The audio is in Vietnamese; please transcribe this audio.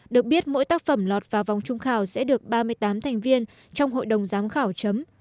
được biết mỗi tác phẩm lọt vào vòng trung khảo sẽ được ba mươi tám thành viên trong hội đồng giám khảo chấm